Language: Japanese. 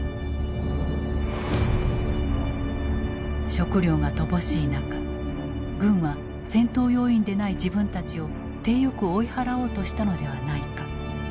食料が乏しい中軍は戦闘要員でない自分たちを体よく追い払おうとしたのではないか。